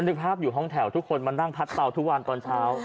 นึกภาพอยู่ห้องแถวทุกคนมานั่งพัดเตาทุกวันตอนเช้า